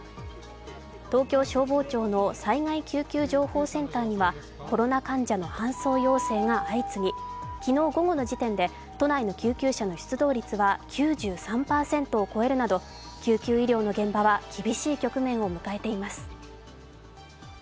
東京消防庁の災害救急情報センターにはコロナ患者の搬送要請が相次ぎ昨日午後の時点で都内の救急車の出動率は９３％を超えるなど救急医療の現場は厳しい局面を迎えています。